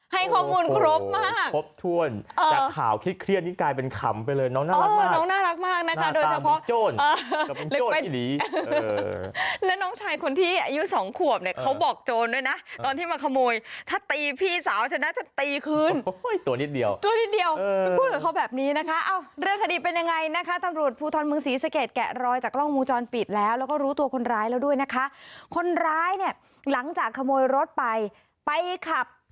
ให้ความคิดความคิดความคิดให้ความคิดให้ความคิดให้ความคิดให้ความคิดให้ความคิดให้ความคิดให้ความคิดให้ความคิดให้ความคิดให้ความคิดให้ความคิดให้ความคิดให้ความคิดให้ความคิดให้ความคิดให้ความคิดให้ความคิดให้ความคิดให้ความคิดให้ความคิดให้ความคิดให้ความคิดให้ความคิดให้ความคิดให้ความคิดให